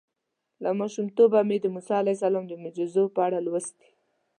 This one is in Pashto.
له ماشومتوبه مې د موسی علیه السلام د معجزو په اړه لوستي.